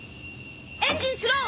エンジンスロー！